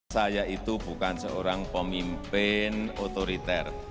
saya itu bukan seorang pemimpin otoriter